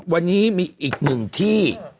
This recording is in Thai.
วันนี้มีอีกหนึ่งที่